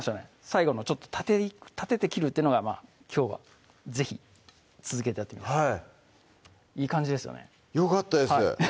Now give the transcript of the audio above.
最後のちょっと立てて切るっていうのがきょうは是非続けてはいいい感じですよねよかったです